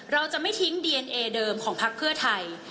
เราจะไม่ทิ้งดีเอนเอเดิมของพักเพื่อไทย